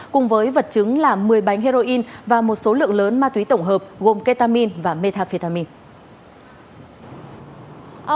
cùng với vật chứng là một mươi bánh heroin và một số lượng lớn ma túy tổng hợp gồm ketamin và metafetamin